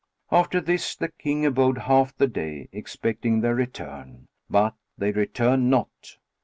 After this the King abode half the day, expecting their return; but they returned not.